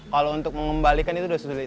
kalau untuk mengembalikan itu sudah sulit